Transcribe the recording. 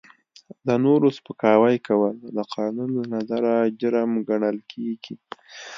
د نورو سپکاوی کول د قانون له نظره جرم ګڼل کیږي.